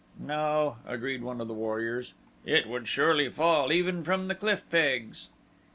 "No," agreed one of the warriors, "it would surely fall even from the cliff pegs."